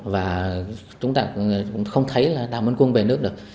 và chúng ta không thấy là đào minh quân về nước được